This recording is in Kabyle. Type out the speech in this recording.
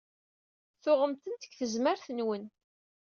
Tuɣem-tent deg tezmert-nwen.